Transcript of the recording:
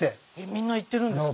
みんな行ってるんですか？